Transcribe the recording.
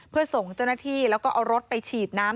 เพื่อส่งเจ้าหน้าที่แล้วก็เอารถไปฉีดน้ำ